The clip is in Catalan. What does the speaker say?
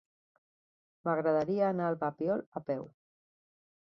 M'agradaria anar al Papiol a peu.